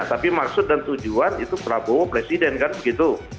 tapi maksud dan tujuan itu prabowo presiden kan begitu